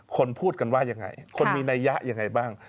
คนพูดกันว่ายังไงคนมีนัยยะยังไงบ้าง